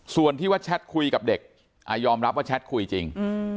ส่วนที่ว่าแชทคุยกับเด็กยอมรับว่าแชทคุยจริง